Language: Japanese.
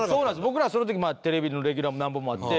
僕らその時テレビのレギュラーも何本もあって。